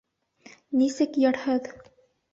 Нисек йырһыҙ?!